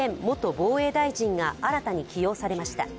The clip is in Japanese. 防衛大臣が新たに起用されました